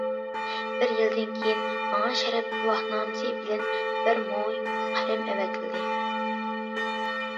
بىر يىلدىن كېيىن، ماڭا شەرەپ گۇۋاھنامىسى بىلەن بىر موي قەلەم ئەۋەتىلدى.